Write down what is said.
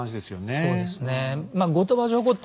そうですね。